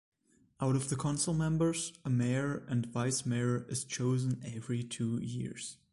Out of the council members, a mayor and vice-mayor is chosen every two years.